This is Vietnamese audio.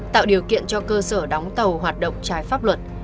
tạo điều kiện cho cơ sở đóng tàu hoạt động trái pháp luật